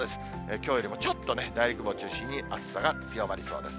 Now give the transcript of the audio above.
きょうよりもちょっとね、内陸部を中心に暑さが強まりそうです。